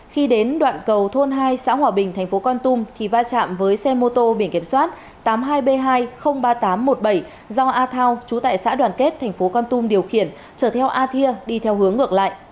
khi đến đoạn cầu thôn hai xã hòa bình tp con tum thì va chạm với xe mô tô biển kiểm soát tám mươi hai b hai trăm linh ba nghìn tám trăm một mươi bảy do a thao chú tại xã đoàn kết tp con tum điều khiển chở theo a thia đi theo hướng ngược lại